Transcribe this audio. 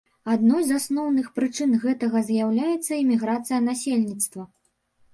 Адной з асноўных прычын гэтага з'яўляецца эміграцыя насельніцтва.